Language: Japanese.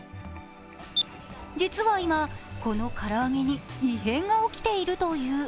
実は今、この唐揚げに異変が起きているという。